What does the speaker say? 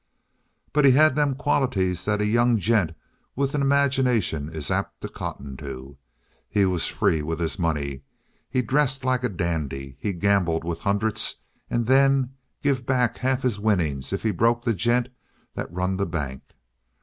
"But he had them qualities that a young gent with an imagination is apt to cotton to. He was free with his money. He dressed like a dandy. He'd gamble with hundreds, and then give back half of his winnings if he'd broke the gent that run the bank.